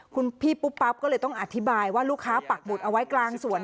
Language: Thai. คุณพี่ปุ๊บปั๊บก็เลยต้องอธิบายว่าลูกค้าปักหมุดเอาไว้กลางสวน